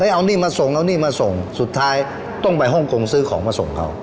เอาหนี้มาส่งสุดท้ายต้องไปฮ่องโกงซื้อของมาส่งเขา